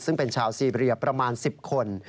ซึ่งเป็นชาวซีเรียประมาณ๑๐คน